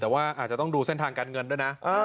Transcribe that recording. แต่ว่าอาจจะต้องดูเส้นทางการเงินด้วยนะ